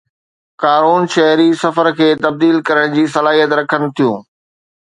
ڪارون شهري سفر کي تبديل ڪرڻ جي صلاحيت رکن ٿيون